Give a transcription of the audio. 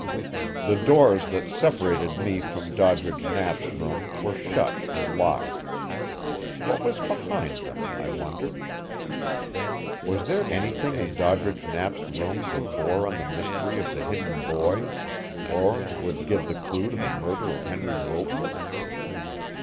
The doors that separated me from Doddridge Knapp's room were shut and locked. What was behind them? I wondered. Was there anything in Doddridge Knapp's room that bore on the mystery of the hidden boy, or would give the clue to the murder of Henry Wilton?